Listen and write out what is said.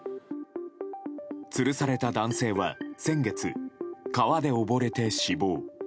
つるされた男性は先月川で溺れて死亡。